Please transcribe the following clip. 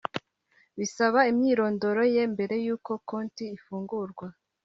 bisaba imyirondoro ye mbere yuko konti ifungurwa